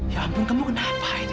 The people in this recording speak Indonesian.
ya ampun kamu kenapa ini